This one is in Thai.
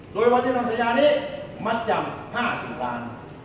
โดยวัฒนธรรมสัญญานนี้มัดจำ๕๐ล้าน